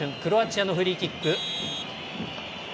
クロアチアのフリーキック。